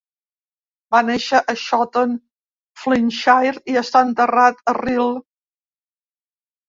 Va néixer a Shotton, Flintshire i està enterrat a Rhyl.